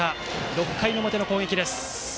６回の表の攻撃です。